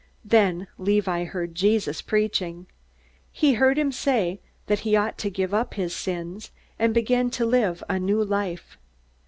Then Levi heard Jesus preaching. He heard him say that he ought to give up his sins, and begin to live a new life.